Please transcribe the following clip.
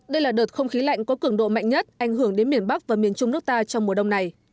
đây là đợt không khí lạnh có cường độ mạnh nhất ảnh hưởng đến miền bắc và miền trung nước ta trong mùa đông này